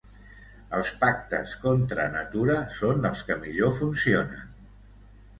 Els pactes contra natura són els que millor funcionen.